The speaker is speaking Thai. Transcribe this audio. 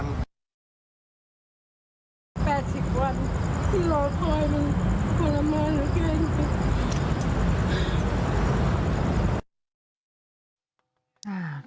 ๘๐วันที่รอพลอยมันควรร้ำมากเลย